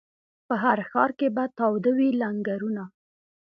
په هر ښار کي به تاوده وي لنګرونه